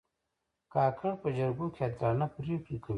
کاکړ په جرګو کې عادلانه پرېکړې کوي.